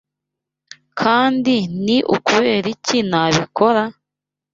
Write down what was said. Kandi ni ukubera iki nabikora?